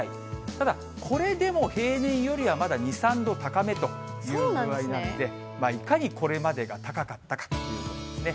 ただ、これでも平年よりはまだ２、３度高めというぐあいなので、いかにこれまでが高かったかということですね。